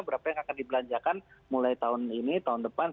berapa yang akan dibelanjakan mulai tahun ini tahun depan